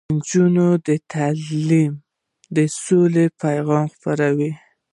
د نجونو تعلیم د سولې پیغام خپروي.